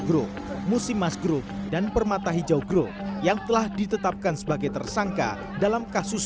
gru musim mas grup dan permata hijau grup yang telah ditetapkan sebagai tersangka dalam kasus